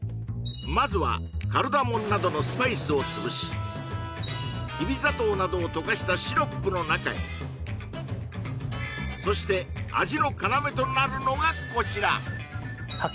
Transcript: まずはカルダモンなどのスパイスを潰しきび砂糖などを溶かしたシロップの中へそしてこちら八